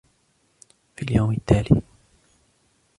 في اليوم التالي